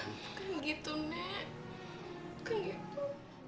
bukan gitu nek bukan gitu